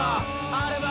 アルバ！